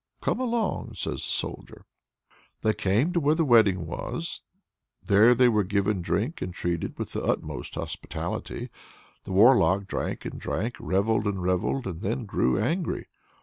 "Come along!" says the Soldier. They came to where the wedding was; there they were given drink, and treated with the utmost hospitality. The Warlock drank and drank, revelled and revelled, and then grew angry.